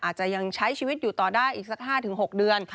อาจจะยังใช้ชีวิตอยู่ต่อได้อีกสัก๕๖เดือน